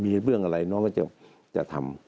มีเรื่องอะไรน้องก็จะทำ